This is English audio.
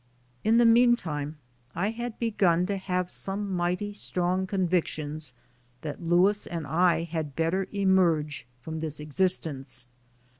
In the meantime, I had begun to nave some mighty strong convictions that Louis and I had better emerge from this existence.